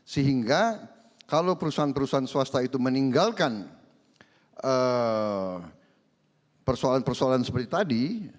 sehingga kalau perusahaan perusahaan swasta itu meninggalkan persoalan persoalan seperti tadi